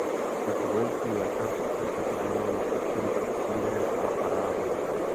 Jako vojenský lékař se podílel na expedici do Sýrie a Arábie.